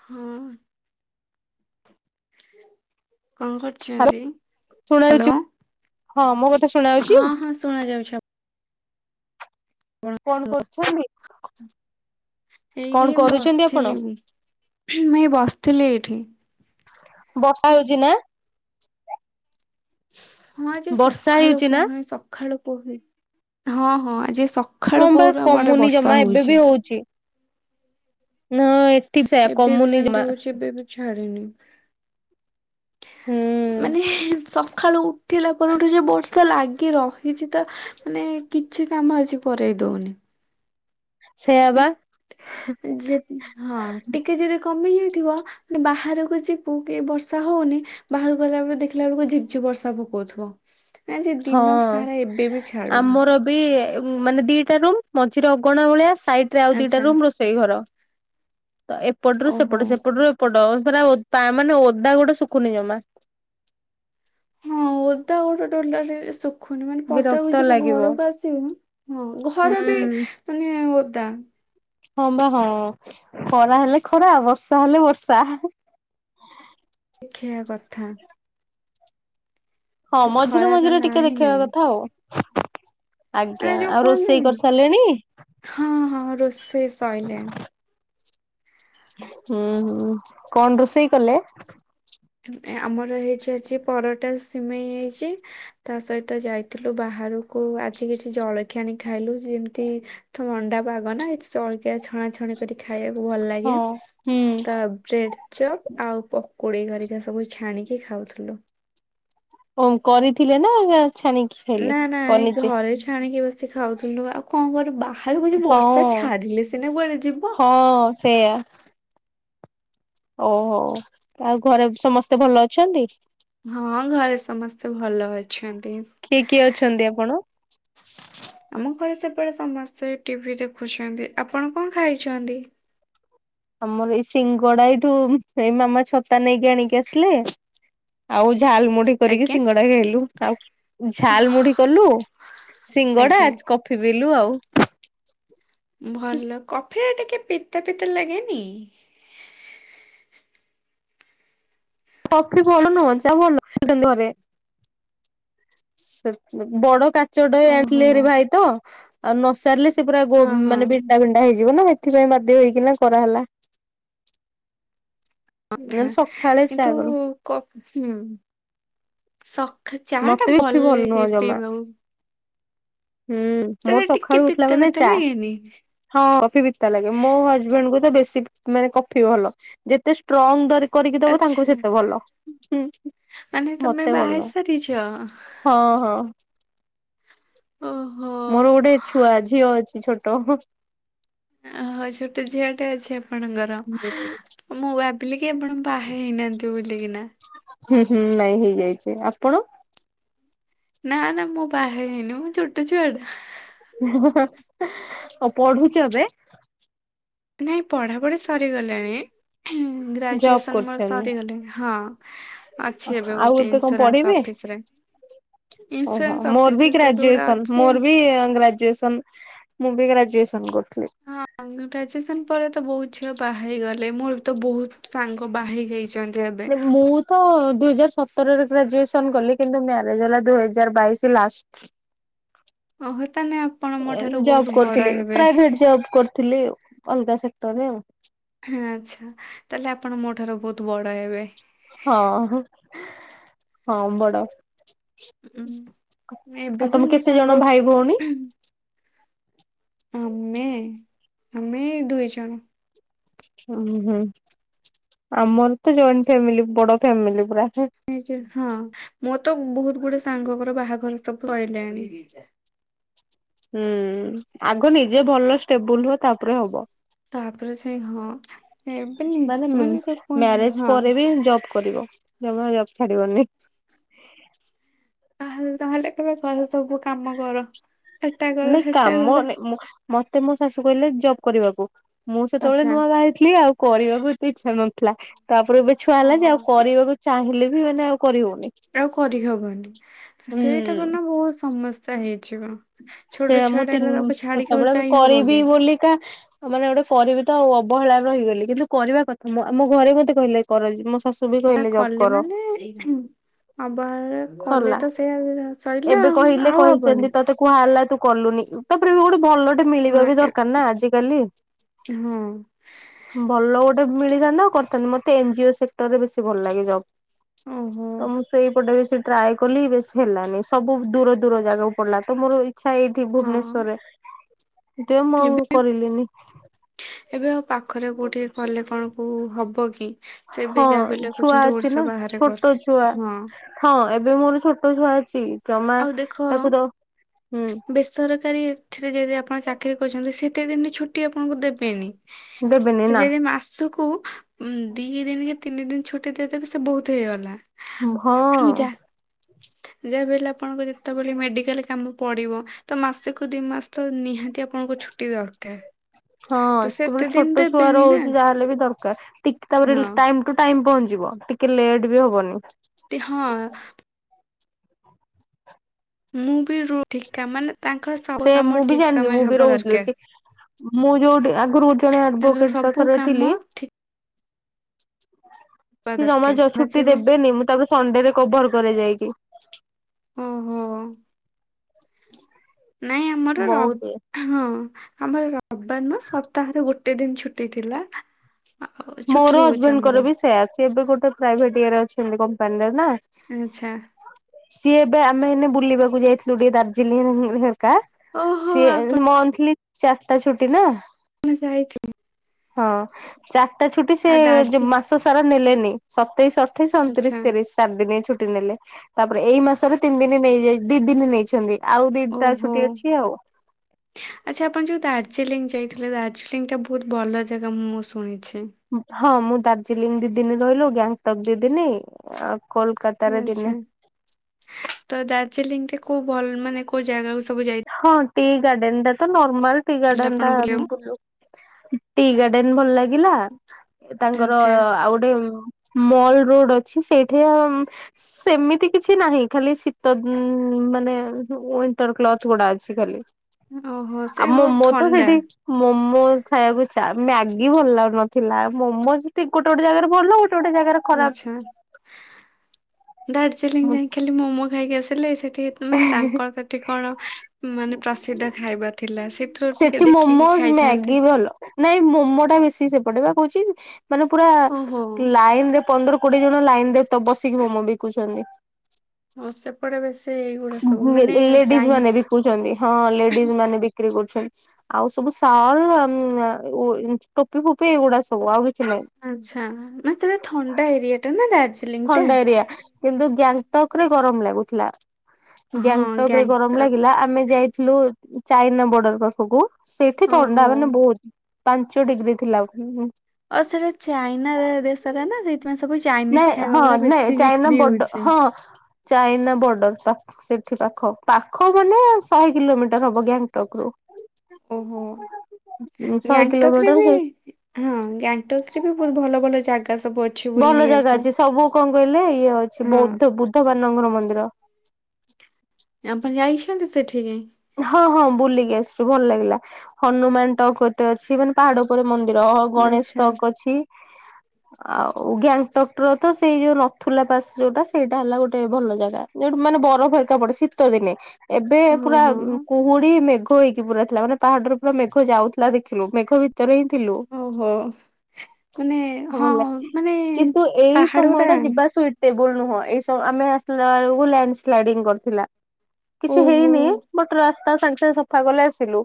ହଁ। କଅଁ ହାଲୋ କରୁଚନ୍ତି ଶୁଣାଯାଉଛି ହ୍ୟାଲୋ। ହଁ ମୋ କଥା ଶୁଣା ଆଉଚି। ହଁ ହଁ ଶୁଣା ଯାଉଛି ଅପ୍ କଣ କରୁଛନ୍ତି କଣ କରୁଚନ୍ତି ଆପଣ? ମେ ମୁଁ ବସିଥିଲି ଏଇଠି। ବର୍ଷା ହଉଛି ନା? ମୁଁ ଆଜି ବର୍ଷା ସକାଳୁ ହେଉଛି ନା? କୁହେ ସକାଳୁ କୁହେ ହଁ ହଁ ଆଜି ସ ହଁ ସଖାଳୁ ବା ପୋରୁ ଆମ ଆଡେ କମୁନି ଜମା ବର୍ଷା ଏବେ ହଉଛି। ନ--ଅ ଏଠି ସେଇଆ ଏବେ ବି କମୁନି ସେମିତି ଜମା। ହଉଛି ଏବେ ବି ଛାଡିନି। ହୁଁ ମାନେ ସକାଳୁ ଉଠିଲା ପରଠୁ ଯେ ବର୍ଷା ଲାଗି ରହି କିଛି ତ ମାନେ କିଛି କାମ ଆଜି କରେଇ ଦଉନି? ସେଇଆ ବା। ଯେ ହଁ ଟିକେ ଯଦି କମି ଯାଇଥିବ ମାନେ ବାହାରକୁ ଯିବୁ କି ବର୍ଷା ହଉନି ବାହାରକୁ ଗଲା ବେଳକୁ ଦେଖିଲା ବେଳକୁ ଝିପ୍ ଝିପ୍ ବର୍ଷା ପକଉଥିବ। ଆଜି ଦିନ ସାରା ଏବେ ବି ଛାଡୁନି। ୱି ମାନେ ଦିଇଟା ରୁମ୍ ମଝିରେ ଅଗଣା ଭଳିଆ ସାଇଡ୍ ରେ ଆଉ ଦିଇଟା ଆଚ୍ଛା ରୁମ୍ ରୋଷେ ଷେଇ ଘର ତ ଏପଟରୁ ଓହୋ। ସେପଟ ସେପଟରୁ ଏ ପଟ ପୁରା ପା ମାନେ ଓଦା ଗୁଡ଼ା ଶୁଖୁନି ଜମା। ହଁ ଓଦା [unintelligible] ରେ ଶୁ ଖୁନି। ମାନେ ବିରକ୍ତ ପଦାକୁ ଯିବୁ ଲାଗିବ ଘରକୁ ଆସିବୁ ହଁ ହୁଁ ଘର ବି ମାନେ ଓଦା। ହଁ ବା ହଁ। ଖରା ହେଲେ ଖରା ବର୍ଷା ହେଲେ ବର୍ଷା। ଦେଖେଇିବା କଥା। ହଁ ମଝିରେ ଖରାର ମଝିରେ ନା ଟିକେ ହିଁ ଦେଖେଇବା ନାହିଁ କଥା ଆଉ। ମାନେ ଆଜ୍ଞା। ଯୋଉ ଆଉ ରୋଷେଇ କୁହନ୍ତିନି କରି ସାରିଲେଣି? ହଁ ହଁ ରୋଷେଇ ସଇଲାଣି। ହୁଁ ହୁଁ। କଣ ରୋଷେଇ କଲେ? ଆମର ହେଇଛି ଆଜି ପରଟା, ସିମେଇ ହେଇଛି ତା ସହିତ ଯା ଇଥିଲୁ ବାହାରକୁ ଆଜି କିଛି ଜଳଖିଆ ଆଣି ଖାଇଲୁ ଯେମିତି ଥଣ୍ଡା ପାଗ ନା ଏଇ ଜଳଖିଆ ଛଣାଛଣି କରି ଖାଇବାକୁ ଭଲ ହଁ ଲାଗେ। ହୁଁ ତ ବ୍ରେଡ୍ ଚପ୍ ଆଉ ପକୁଡ଼ି କରି ସେ ସବୁ ଛାଣିକି ଖାଉଥୁଲୁ। କଣ କରିଥିଲେ ନା ଛାଣିକି? ଖାଇଲେ? ନା ନା ଏଇ କନିଚି ଘରେ ଛାଣିକି ବସି ଖାଉଥିଲୁ। ଆଉ କଣ କରିବୁ ବା ଖାଇବୁ ଯଦି ହଁ ବର୍ଷା ଛାଡ଼ିଲେ ସିନା କୁଆଡ଼େ ଯିବ। ହଁ ସେଇଆ। ହଉ ହଉ ଆଉ ଘରେ ସମସ୍ତେ ଭଲ ଅଛନ୍ତି? ହଁ ଘରେ ସମସ୍ତେ ଭଲ ଅଛନ୍ତି। କିଏ କିଏ ଅଛନ୍ତି ଆପଣ? ଆମ ଘରେ ସେପଟେ ସମସ୍ତେ ଟିଭି ଦେଖୁଛନ୍ତି। ଆପଣ କଣ ଖାଇଛନ୍ତି? ଆମର ଏଇ ସିଙ୍ଗଡ଼ା ଏଇଠୁ ଏଇ ମାମା ଛତା ନେଇକି ଆଣିକି ଆସିଲେ। ଆଉ ଝାଲ୍ ମୁଢି କରିକି ଆଜ୍ଞା। ସିଙ୍ଗଡା ଖାଇଲୁ। ଆଉ ଓହ ଝାଲ୍ ମୁଢି କଲୁ, ସିଙ୍ଗଡା ଆଜ୍ଞା କଫିି ପିଇଲୁ ଆଉ। ଭଲ କଫିରା ଟିକେ ପିତା ପିତା ଲାଗେନି? କଫି ଭଲ ନୁହଁ ଚା ଭଲ କହୁଛନ୍ତି ଘରେ। ସେ ବଡ କାଚଟେ ଓହୋ। ଆଣିଥିଲେ ଭାରି ଭାଇ ତ। ଆଉ ନ ସାରିଲେ ସେ ପୁରା ଗୋ ହଁ ହଁ ମାନେ ଭେଣ୍ଡା ଭେଣ୍ଡା ହେଇଯିବ ନା ସେଥିପାଇଁ ବାଧ୍ୟ ହେଇକିନା କରାହେଲା। ନ ହେଲେ କଥା ସକାଳେ ଚା କିନ୍ତୁ କରୁ। କ ହୁଁ ସକାଳେ ଚା ଟା ମତେ ବି କଫି ଭଲ ନୁହଁ ଲାଗେ ଜମା। ପିଇବାକୁ। ହୁଁ ସେଟା ମୋର ଟିକେ ସକାଳୁ ଉଠିଲା ପିତା ମାନେ ପିତା ଚା। ଲାଗେନି? ହଁ, କଫି ପିତା ଲାଗେ। ମୋ ହଜବେଣ୍ଡଙ୍କୁ ତ ବେଶୀ ମାନେ କଫି ଭଲ। ଯେତେ ଷ୍ଟ୍ରଙ୍ଗ ଦର କରିକି ଦବ ତାଙ୍କୁ ଆଚ୍ଛା ସେତେ ଭଲ ମାନେ ତମେ ମତେ ବାହା ଭଲ ହେଇ ସାରିଛ? ନୁହଁ। ହଁ ହଁ। ଓହୋଃ। ମୋର ଗୋଟେ ଛୁଆ ଝିଅ ଅଛି ଛୋଟ। ଓହୋଃ ଛୋଟେ ଝିଅଟେ ଅଛି ଆପଣଙ୍କର, ମୁଁ ଭାବିଲି କି ଆପଣ ବାହା ହେଇନାହାନ୍ତି ବୋଲି କିନା। ହୁଁ ହୁଁ ନାଇଁ ହେଇଯାଇଛି। ଆପଣ? ନା ନା ମୁଁ ବାହା ହେଇନି ମୁଁ ଛୋଟ ଛୁଆଟା। ଆଉ ପଢୁଛ ଏବେ? ନାଇଁ ପଢ଼ାପଢ଼ି ସରିଗଲାଣି। ଜବ୍ ଗ୍ରାଜୁଏସନ ମୋର କରୁଛନ୍ତି? ସରିଗଲେ ହଁ ଅଛି ଏବେ ଆଉ ଗୋଟେ କଣ ଇନ୍ସୁରାନ୍ସ ପଢିବେ ଅଫିସ୍ ରେ। ଓହୋ ମୋର ବି ତ ଏବେ ଗୋଟେ ଗ୍ରାଜୁଏସନ ଅଛି ମୋର ବି ଗ୍ରାଜୁଏସନ। ମୁଁ ବି ଗ୍ରାଜୁଏସନ କରୁଥିଲି। ହଁ ଗ୍ରାଜୁଏସନ ପରେ ତ ବହୁତୁ ଝିଅ ବାହାହେଇଗଲେ ମୋର୍ ବି ତ ବହୁତ ସାଙ୍ଗ ବାହାହେଇ ଯାଇଛି। ମେ ମୁଁ ତ ଦୁଇ ହଜାର ସତରରେ ଗ୍ରାଜୁଏସନ କଲି କିନ୍ତୁ ମ୍ୟାରେଜ ହେଲା ଦୁଇ ହଜାର ବାଇଶି ଲାଷ୍ଟ। ଓହୋ ତାହେଲେ ଆପଣ ମୋ ଠାରୁ ବହୁତ ଜବ ବଡ କରୁଥିଲି ହେବେ ପ୍ରାଇଭେଟ ଜବ କର ଥିଲେ ଆଉ ଅଲଗା ସେକ୍ଟରରେ ଆଉ। ଆ ଆଛା ତାହେଲେ ଆପଣ ମୋ ଠାରୁ ବହୁତ ବଡ ହେବେ। ହଁ ହଁ ହଁ ବଡ। ଉଁ ଏବେ ଆଉ ବି ତମ ମୋ କେତେ ସାଙ୍ଗ ଜଣ ଭାଇ ଭଉଣୀ? ଆମେ ଆମେ ଏ ଦୁଇ ଜଣ। ହୁଁ ହୁଁ ଆମର ତ ଜଏଣ୍ଟ ଫ୍ୟାମିଲି ବଡ ଫ୍ୟାମିଲି ପୁର। ନେ ଚର ହଁ ମୋର ତ ବହୁତ ଗୁଡେ ସାଙ୍ଗଙ୍କର ବାହାଘର ସବୁ ସାଇଲାଣି। ହୁଁ ଆଗ ନିଜେ ଭଲ ଷ୍ଟେବୁଲହୁଅ ତାପରେ ହବ। ତାପରେ ସେ ହଁ ଏବେ ନିଜ ମାନେ ସବୁ କୁହନ୍ତି ମ୍ୟାରେଜ ହଁ ପରେ ବି ଜବ କରିବ। ଜମା ଜବ ଛାଡ଼ିବନି। ତାହେଲେ ତାହେଲେ ତମେ ଘରେ ସବୁ କାମ କର। ଏଟା କର ନାଇଁ ସେଟା କାମ କର ନାଇଁ ମତେ ମୋ ଶାଶୁ କହିଲେ ଜବ୍ କରିବାକୁ ମୁଁ ସେତେବେଳେ ଆଚ୍ଛା ନୂଆ ବା ହେଇ ଥିଲ ଆଉ କରିବାକୁ ଏତେ ଇଚ୍ଛା ନଥିଲା ତାପରେ ଏବେ ଛୁଆ ହେଲା ଯେ ଓହୋ ଆଉ କରିବାକୁ ଚାହିଁଲେ ବି ମାନେ ଆଉ କରିହଉନି। ଆଉ କରିହବନି ହୁଁ ସେଇଟା ମାନେ ବହୁତ ସମସ୍ୟା ହେଇଯିବ। ଛୋଟ ସେଆ ମୁଁ ଛୁଆଟା ତିନ୍ ହେଲେ ତାକୁ ଛାଡିକି ଆଉ ସେତେବେଳେ ଯାଇ ହବ କରିବି କି ବୋଲିକା। ମାନେ ଗୋଟେ କରିବି ତ ଆଉ ଅବହେଳାରେ ରହିଗଲି। କିନ୍ତୁ କରିବା କଥା ମୁଁ ଆମ ଘରେ ମତେ କହିଲେ କର ମୋ ଶାଶୁ ବି କହିଲେ ଜବ୍ କଲେ କର ମାନେ ଇ ଖୁ। ଅବହେଳ କଲେ ସରିଲା ତ ସିଏ ସଇଲା ଆଉ ହବନି। କୁହା ହେଲା ତୁ କଲୁନି ତାପରେ ବି ଗୋଟେ ଭଲ ମିଳିବା ହଁ ବି ଏ ଦରକାର ନା ଆାଲି ହଁ ଭଲ ଗୋ ଗୋଟେ ମିଳିଥାନ୍ତତା ଆଉ କରିଥାନ୍ତ ମତେ ଏନ ଜି ଓ ସେକ୍ଟରରେ ବେଶ ଭଲ ଲାଗେ ଜବ। ଓହୋ ତ ମୁଁ ସେଇପଟେ ବେସି ଟ୍ରାଏ କଲି ବେସି ହେଲାନି ସବୁ ଦୂର ଦୂର ଜାଗାକୁ ପଡିଲା ତ ମୋର ଏଇ ଇଛା ଏଇଠି ହଁ ଭୁବନେଶ୍ଵରରେ ଡେ ମ ଏବେ ଆଉ କରିଲିନି। ଏବେ ଆଉ ପାଖରେ କୋଉଠି କଲେ କଣ କୁ ହବ କି? ସେ ଏବେ ହଁ ଯାହା ବି ହେଲେ ଛୁଆ କହୁଛନ୍ତି ଅଛି ଓଡିଶା ନା ବାହାରେ କର ଛୋଟ ଛୁଆ। ହଁ ହଁ ଏବେ ମୋର ଛୋଟ ଛୁଆ ଅଛି ଜମା ଆଉ ଦେଖ ତାକୁ ଦ ହୁଁ। ବେସରକାରୀ ଏଥିରେ ଯଦି ଆପଣ ଚାକିରୀ କରଛନ୍ତି। ସେତେ ଏତେ ଦିନ ଛୁଟି ଆପଣଙ୍କୁ ଦେବେନି। ଦେବେନି ନା ଯଦି ମାସକୁ ଉ ଦି ଦିନ କି ତିନି ଦିନ ଛୁଟି ଦେଇଦେବେ ସେ ବହୁତ ହେଇଗଲା। ଭଁ। ଯହା ବି ହେଲେ ଆପଣଙ୍କ ଯେତେବେଳେ ମେଡିକାଲ କାମ ପଡିବ ତ ମାସକୁ ଦି ମାସ ତ ନିହାତି ଆପଣଙ୍କୁ ଛୁଟି ଦରକାର। ହଁ ତ ସେତେ ଯେତେବେଳେ ଦିନ ଛୋଟ ଛୁଆ ଦେବେନି ନା ରହୁଉଛି ଯାହାହେଲେ ବି ଦରକାର ଟିକେ ତାପରେ ହଁ ଟାଇମ୍ ଟୁ ଟାଇମ ପହଞ୍ଚିବ ଟିକେ ଲେଟ୍ ବି ହବନି। ଟି ହଁ। ମୁଁ ବି ରୁ ଠିକା ମାନେ ତାଙ୍କର ସବୁ ସେ କାମ ମୁଁ ବି ଠିକ ଜାଣିଲି ମୁଁ ସମୟରେ ବି ହବା ରହୁଥିଲି ଦରକାର। ଟିକେ ମୁଁ ଯୋଉଠି ଗୁରୁ ଜଣେ ତାଙ୍କର ଆଡଭୋକେଟ ସବୁ ପାଖରେ କାମ ଥିଲି ଠିକ ହବା ସିଏ ଜମା ଦରକାର ଛୁଟି ଆସିବ ଦେବେନି ମୁଁ ତାକୁ ସଣ୍ଡେରେ କଭର କରେ ଯାଇକି। ହଁ ହଁ। ହଁ [inaudible] ନାହିଁ ଆମର ରବ ହଁ ଆମର ରବିବାନ ସପ୍ତାହରେ ଗୋଟେ ଦିନ ଛୁଟି ଥିଲା। ଆଉ ଛୁଟି ମୋର ରହୁଛି ଆମର ହଜବେଣ୍ଡଙ୍କର ବି ସେୟା ସିଏ ବି ଗୋଟେ ପ୍ରାଇଭେଟ ଇଏରେ ଅଛନ୍ତି କମ୍ପାନୀରେ ନା। ଆଛା। ସିଏ ଏବେ ଆମେ ଏନେ ବୁଲିବାକୁ ଯାଇଥିଲୁ ଟିକେ ଦାର୍ଜିଲିଂ ହେରକା। ଓହୋ ସିଏ ଆପଣ ମନ୍ଥଲି ଚାରିଟା ଛୁଟି ନା ଯାଇଥିଲେ ହଁ ଚାରିଟା ଛୁଟି ସେ ଆଉ ଯଉ ଦାର୍ଜି ମାସ ସାରା ନେଲେନି। ସତେଇଶ, ଅଠେଇଶ, ଅଣତିରିଶ, ଆଚ୍ଛା ତିରିଶ ଚାରି ଦିନ ଛୁଟି ନେଲେ। ତାପରେ ଏଇ ମାସରେ ତିନି ଦିନ ନେଇଯାଇ ଦି ଦିନ ନେଇଛନ୍ତି। ଆଉ ଦିଟା ଓହୋ। ଛୁଟି ଅଛି ଆଉ। ଆଚ୍ଛା ଆପଣ ଯୋଉ ଦାର୍ଜିଲିଂ ଯାଇଥିଲେ ଦାର୍ଜିଲିଂ ଟା ବହୁତ ଭଲ ଜାଗା ମୁଁ ମୁଁ ଶୁଣିଚି। ହଁ ମୁଁ ଦାର୍ଜିଲିଂ ଦିଦିନ ରହିଲୁ ଗ୍ୟାଙ୍ଗଟକ ଦିଦିନି ଆ କୋଲ ଆଛା ତ ଦାର୍ଜିଲିଂ ଟେ କୋଉ ଭଲ ମାନେ କୋଉ ଜାଗାକୁ ସବୁ ଯାଇ ହଁ ଟି ଗାର୍ଡେନ ଟା ତ ନର୍ମାଲ ଟି ଯାଇଥିଲେ ଗାର୍ଡେନ ଆପଣ ଟା ଆମ ବୁଲିବାକୁ? ବୁଲୁ। ଟି ଗାର୍ଡେନ ଭଲ ଲାଗିଲା ତାଙ୍କର ଆଚ୍ଛା, ଆଉ ଗୋଟେ ମଲ୍ ରୋଡ ଅଛି ସେଇଠି ସେମିତି କିଛି ନାହିଁ ଖାଲି ଶୀତ ଦଉ ମାନେ ଉଇଣ୍ଟର କ୍ଲଥ ଗୁଡା ଅଛି ଖାଲି। ଓହୋ! ଆଉ ସେଇଠି ବହୁତ ମୋମୋ ତ ଥଣ୍ଡା। ସେଇଠି ମୋମୋଜ ଖାଇବାକୁ ଚା ମ୍ୟାଗି ଭଲ ଲାଗୁନଥିଲା ମୋମୋଜ ଗୋଟେ ଗୋଟେ ଜାଗାରେ ଭଲ ଗୋଟେ ଗୋଟେ ଜାଗାରେ ଖରାପ ଆଛା ଦାର୍ଜିଲିଂ ଯାଇ ଖାଲି ମୋମୋ ଖାଇକି ଆସିଲେ ସେଠି ମାନେ ତାଙ୍କର ସେଠି କଣ ମାନେ ପ୍ରସିଦ୍ଧ ଖାଇବା ଥିଲା ସେଥିରୁ ଟିକେ ସେଠି ଦେଖିକି ମୋମୋଜ ଖାଇଥାନ୍ତେ। ମ୍ୟାଗି ଭଲ ନାଇଁ ମୋମୋ ଟା ବେଶୀ ସେପଟେ ବା କହୁଛି ମାନେ ପୁରା ଓହୋ! ଲାଇନରେ ପନ୍ଦର କୋଡିଏ ଜଣ ଲାଇନ ରେ ତ ବସିକି ମୋମ ବିକୁଛନ୍ତି। ହଁ ସେପଟେ ବେଶି ଏଇଗୁଡା ସବୁ ମାନେ ଚାଇନ କୁଚନ୍ତି ହଁ ଲେଡିଜ ମାନେ ବିକ୍ରି କରୁଛନ୍ତି। ଆଉ ସବୁ ସାଲ ଆମନା ଟୋପି ଫୋପି ଏଇଗୁଡା ସବୁ ଆଉ କିଛି ନାହିଁ। ଆଚ୍ଛା ମାନେ ସେଟା ଥଣ୍ଡା ଏରିଆ ଟା ନା ଡ଼ାଜ ଥଣ୍ଡା ଏରିଆ କିନ୍ତୁ ଗ୍ୟାଙ୍ଗଟକ ରେ ଗରମ ଲାଗୁଥିଲା। ହଁ, ଗ୍ୟାଙ୍ଗଟକ ରେ ଗରମ ଗ୍ୟାଙ୍ଗଟକ୍। ଲାଗିଲା ଆମେ ଯାଇଥିଲୁ ଚାଇନା ବର୍ଡର ପାଖକୁ ସେଠି ଓହୋ! ଥଣ୍ଡା ମାନେ ବହୁତ ପାଞ୍ଚ ଡିଗ୍ରୀ ଥିଲା। ଅ ସେଇଟା ଚାଇନା ଦେଶଟା ନା ସେଇଥିପାଇଁ ସବୁ ନାଇଁ ଚାଇନିଜ ଖାଇବା ହଁ ଗୁଡା ନାଇଁ ବେଶୀ ଚାଇନା ବିକ୍ରି ବର୍ଡର ହୋଉଚି। ହଁ ଚାଇନା ବର୍ଡର ଟା ସେଠି ପାଖ। ପାଖ ମାନେ ଶହେ କିଲୋମିଟର ହବ ଗ୍ୟାଙ୍ଗଟକ ରୁ। ଓହୋ ଶହେ ଗାଙ୍ଗଟକରେ କିଲୋମିଟର ବି ସେ ହଁ ଗାଙ୍ଗଟକରେ ବି ବହୁତ ଭଲ ଭଲ ଜାଗା ସବୁ ଅ ଭଲ ଜାଗା ଅଛି। ସବୁ କଣ କହିଲେ ଇଏ ଅଛି ହଁ ବୌଦ୍ଧ ବୁଦ୍ଧବାନଙ୍କର ମନ୍ଦିର। ଆପଣ ଯାଇଛନ୍ତି ସେଠିକି? ହଁ ହଁ ବୁଲିକି ଆସିଛୁ ଭଲ ଲାଗିଲା ହନୁମାନ ଟକ ଗୋଟେ ଅଛି। ମାନେ ପାହାଡ ଉପରେ ମନ୍ଦିର ଅ ଗଣେଶ ଆଚ୍ଛା ଟକ ଅଛି। ଆଉ ଗ୍ୟାଙ୍ଗଟକ ର ତ ସେଇ ଯୋଉ ନଥୁଲା ପାସ ଯୋଉଟା ସେଇଟା ହେଲା ଗୋଟେ ଭଲ ଜାଗା। ଯୋଉଠୁ ମାନେ ବରଫ ଏକା ପଡେ ଶୀତ ଦିନେ ଏବେ ହଁ ପୁରା ହଁ। କୁହୁଡି ମେଘ ହେଇକି ପୁରା ଥିଲା ମାନେ ପାହାଡରେ ପୁରା ମେଘ ଯାଉଥିଲା ଦେଖିଲୁ, ମେଘ ବି ଭିତରେ ହିଁ ଥିଲୁ। ଓହୋ ମାନେ ହଁ ଭଲ ଲାଗୁଛି ମାନେ କିନ୍ତୁ ଏଇ ସମୟ ପାହାଡଗୁରା ଟା ଯିବା ସହି ଟେବୁଲ ନୁହଁ ଏଇସବୁ ଆମେ ଆସିଲା ବେଳକୁ ଲ୍ୟାଣ୍ଡ ସ୍ଲାଡିଙ୍ଗ କରୁଥିଲା, କିଛି ଓହୋ ହେଇନି ବଟ ରାସ୍ତା ସାଙ୍ଗେ ସାଙ୍ଗେ ସଫା କଲେ ଆସିଲୁ।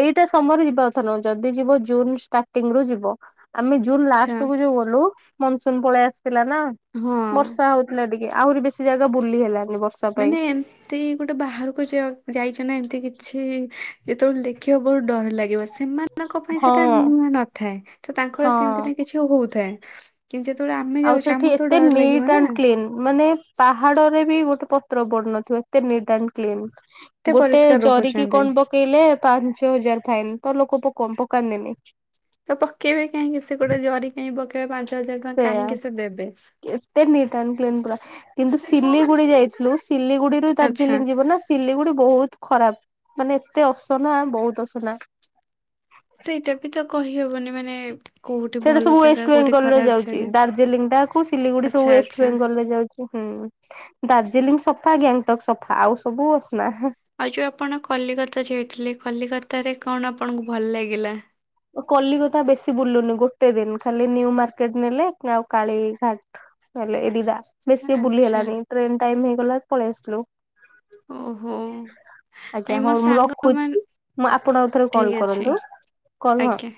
ଏଇଟା ସମୟରେ ଯିବା କଥା ନୁହ ଯଦି ଯିବ ଜୁନ ଷ୍ଟାର୍ଟିଂ ରୁ ଯିବ, ଆମେ ଜୁନ ଆଚ୍ଛା ଲାଷ୍ଟ କୁ ଯୋଉ ଗଲୁ ମନସୁନ ପଳେଇ ଆସିଥିଲା ନା ହଁ। ବର୍ଷା ହଉ ହେଲା ଟିକେ ଆହୁରି ବେଶୀ ଜାଗା ବୁଲି ହେଲାନି ବର୍ଷା ପାଇଁ ମାନେ ତି ଗୋଟେ ବାହାରକୁ ଯାଇଛ ନା ଏମିତି କିଛି ଯେତେବେଳେ ଦେଖିବ ବହୁତ ଡର ଲାଗିବ ସେ ସେମାନଙ୍କ ପାଇଁ ହଁ ସେଟା ନୂଆ ନଥାଏ ତ ତାଙ୍କର ସେମିତି ହଁ। ନା କିଛି ହଉଥାଏ। କିନ୍ତୁ ଯେତେବେଳେ ଆମେ ଆଉ ଯାଉଚେ ସେଠି ଆମକୁ ତ ଏତେ ଡର ନିଟ୍ ଲାଗିବ ନା। ଆଣ୍ଡ କ୍ଲିନ୍ ମାନେ ପାହାଡରେ ବି ଗୋଟେ ପତ୍ର ପଡନଥିବ ଏତେ ନିଟ ଆଣ୍ଡ ଏତେ କ୍ଲିନ। ଗୋଟେ ପରିଷ୍କାର ଜରିକି ରଖୁଛନ୍ତି। କଣ ପକେଇଲେ ପାଞ୍ଚ ହଜାର ଫାଇନ ତ ଲୋକ ପ କ୍ ପକାନ୍ତିନି। ତ ପକେଇବେ କାହିଁକି ସେ ଗୋଟେ ଜରି କାଇଁ ପକେଇବେ ପାଞ୍ଚ ହଜାର ଟଙ୍କା ସେଇଆ କାହିଁକି ସେ ଦେବେ। ଏତେ ନିଟ୍ ଆଣ୍ଡ କ୍ଲିନ୍ ପୁରା କିନ୍ତୁ ସିଲିଗୁଡି ଯାଇଥିଲୁ ସିଲିଗୁଡିରୁୁ ଆଚ୍ଛା ଦାର୍ଜିଲିଂ ଯିବ ନା। ସିଲିଗୁଡି ବହୁତ ଖରାପ ମାନେ ଏତେ ଅସନା ବହୁତ ଅସନା। ସେଇଟା ବି ତ କହିହବନି ମାନେ କୋଉଠି ସେଇଟା ଭଲ ସବୁ ଜାଗା କୋଉଠି ୱେଷ୍ଟବେଙ୍ଗଲ ରେ ଖରାପ ଯାଉଚି, ଜାଗା। ଦାର୍ଜିଲିଂ ଟାକୁ ସିଲିଗୁଡି ସବୁ ଆଚ୍ଛା ଆଚ୍ଛା ୱେଷ୍ଟବେେଙ୍ଗଲ ରେ ଯାଉଚି। ହୁଁ ଦାର୍ଜିଲିଂ ସଫା ଗ୍ୟାଙ୍ଗଟକ ସଫା ଆଉ ସବୁ ଅସନା। ଆଉ ଯୋଉ ଆପଣ କଲିକତା ଯାଇଥିଲେ କଲିକତା ରେ କଣ ଆପଣଙ୍କୁ ଭଲ ଲାଗିଲା? କଲିକତା ବେଶୀ ବୁଲୁନି ଗୋଟେ ଦିନ ଖାଲି ନିଉ ମାର୍କେଟ ନେଲେ ଆଉ କାଳିଘାଟ। ହେଲେ ଏ ଦିଟା ବେଶି ବୁଲି ଆଚ୍ଛା ହେଲାନି ଟ୍ରେନ ଟାଇମ ହେଇଗଲା ପଳେଇ ଆସିଲୁ। ଓହୋ। ଆଜ୍ଞା ନାଇଁ ହଁ ମୋ ମୁଁ ସାଙ୍ଗ ମାନେ ରଖୁଛି ମୁଁ ଆପଣ ଆଉ ଥରେ ଠିକ କଲ ଅଛି କରନ୍ତୁ କଲ ହଁ। ଆଜ୍ଞା।